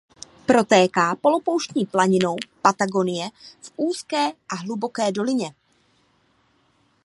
Protéká polopouštní planinou Patagonie v úzké a hluboké dolině.